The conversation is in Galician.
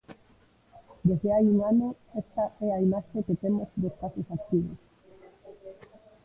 Desde hai un ano esta é a imaxe que temos dos casos activos.